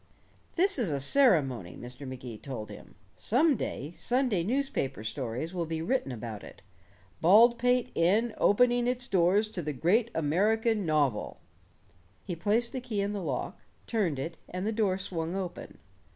"This is a ceremony," Mr. Magee told him, "some day Sunday newspaper stories will be written about it. Baldpate Inn opening its doors to the great American novel!" He placed the key in the lock, turned it, and the door swung open.